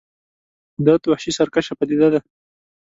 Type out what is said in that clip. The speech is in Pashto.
قدرت وحشي سرکشه پدیده ده.